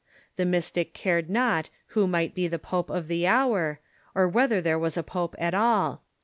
The Mystic cared not who might be the pope of the hour, or whether there was a pope at all.